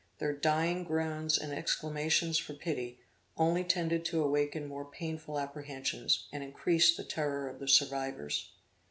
Their dying groans and exclamations for pity, only tended to awaken more painful apprehensions, and increase the terror of the survivors.